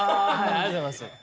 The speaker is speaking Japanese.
ありがとうございます。